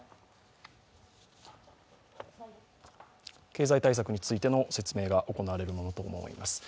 経済対策についての説明が行われるものと思われます。